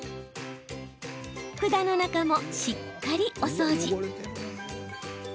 管の中も、しっかりお掃除。